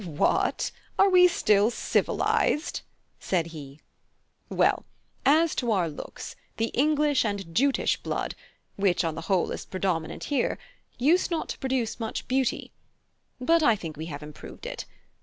"What! are we still civilised?" said he. "Well, as to our looks, the English and Jutish blood, which on the whole is predominant here, used not to produce much beauty. But I think we have improved it.